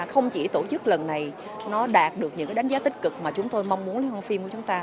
không chỉ tổ chức lần này nó đạt được những đánh giá tích cực mà chúng tôi mong muốn liên hoan phim của chúng ta